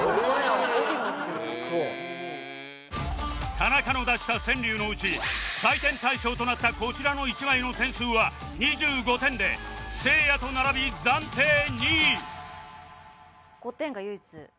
田中の出した川柳のうち採点対象となったこちらの一枚の点数は２５点でせいやと並び暫定２位